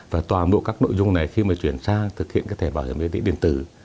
và toàn bộ các nội dung này khi mà chuyển sang thực hiện cái thẻ bảo hiểm y tế điện tử